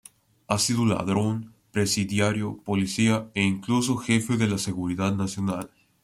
Ha sido ladrón, presidiario, policía e incluso jefe de la Seguridad Nacional.